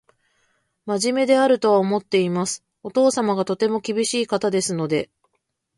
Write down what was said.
真面目であるとは思っています。お父様がとても厳しい方ですので